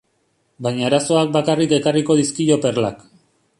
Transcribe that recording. Baina arazoak bakarrik ekarriko dizkio perlak.